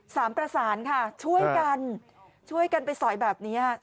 สามประสานค่ะช่วยกันไปสอยแบบนี้